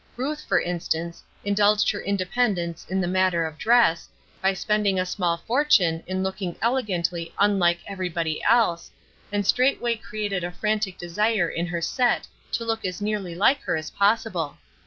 Ruth, for instance, indulged her independence in the matter of dress, by spending a small fortune in looking elegantly unlike everybody else, and straightway created a frantic desire in her set to look as nearly like her as possible.